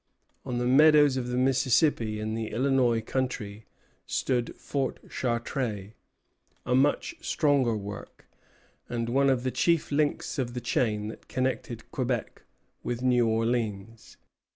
On the meadows of the Mississippi, in the Illinois country, stood Fort Chartres, a much stronger work, and one of the chief links of the chain that connected Quebec with New Orleans.